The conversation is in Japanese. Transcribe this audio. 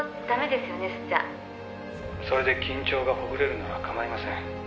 「それで緊張がほぐれるなら構いません」